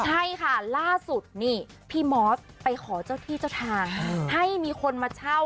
ใช่ค่ะล่าสุดนี่พี่มอสไปขอเจ้าที่เจ้าทางให้มีคนมาเช่า